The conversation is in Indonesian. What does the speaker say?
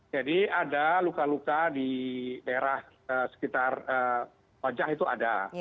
jadi ada luka luka di daerah sekitar wajah itu ada